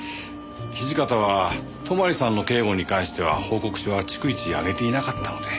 土方は泊さんの警護に関しては報告書は逐一上げていなかったので。